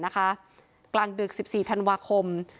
กลางดึก๑๔ธันวาคม